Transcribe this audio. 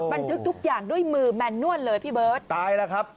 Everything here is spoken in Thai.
บันทึกทุกอย่างด้วยมือแมนนวลเลยพี่เบิร์ตตายแล้วครับ